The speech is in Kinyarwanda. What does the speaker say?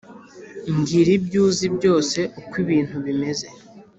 mbwira ibyo uzi byose uko ibintu bimeze.